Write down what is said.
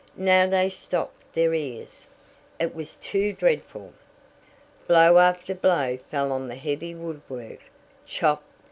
Now they stopped their ears. It was too dreadful. Blow after blow fell on the heavy woodwork. Chop!